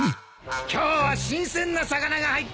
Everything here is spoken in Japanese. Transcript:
今日は新鮮な魚が入ってるよ。